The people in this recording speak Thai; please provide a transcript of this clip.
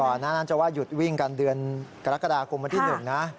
หน้านั้นจะว่าหยุดวิ่งกันเดือนกรกฎาคมวันที่๑นะ